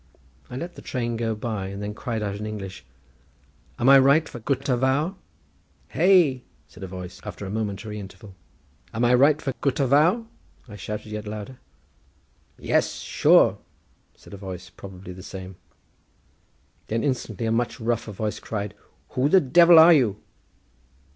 I let the train go by, and then cried out in English, "Am I right for Gutter Vawr?" "Hey?" said a voice, after a momentary interval. "Am I right for Gutter Vawr?" I shouted yet louder. "Yes, sure!" said a voice, probably the same. Then instantly a much rougher voice cried, "Who the Devil are you?"